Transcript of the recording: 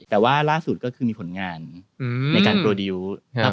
แต่ว่าราคสุดก็คือมีผลงานในการครับ